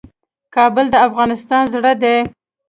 کابل د افغانستان زړه دی